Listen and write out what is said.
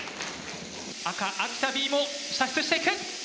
赤秋田Ｂも射出していく。